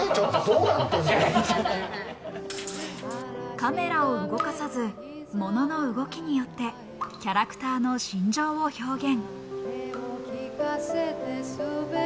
カメラを動かさず、物の動きによってキャラクターの心情を表現。